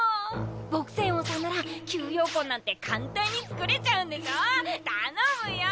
朴仙翁さんなら吸妖魂なんて簡単に作れちゃうんでしょ頼むよ。